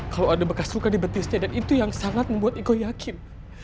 kalau ada bekas luka di betisnya dan itu yang sangat membuat eko yakin